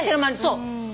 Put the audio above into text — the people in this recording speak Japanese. そう。